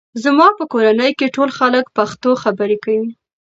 زما په کورنۍ کې ټول خلک پښتو خبرې کوي.